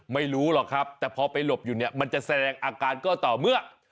ไม่รู้หรอกครับแต่พอไปหลบอยู่เนี่ยมันจะแสดงอาการก็ต่อเมื่อ